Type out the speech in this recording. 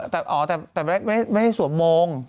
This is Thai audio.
อ๋อแต่ไม่ได้สวมมงค์